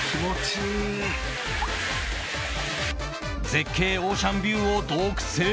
絶景オーシャンビューを独占！